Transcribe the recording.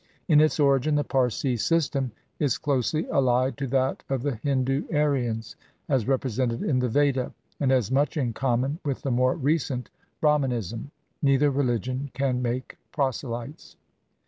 In its origin the Parsi system is closely allied to that of the Hindu Aryans — as represented in the Veda — and has much in common with the more recent Brahmanism. Neither religion can make proselytes.